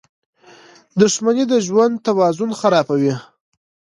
• دښمني د ژوند توازن خرابوي.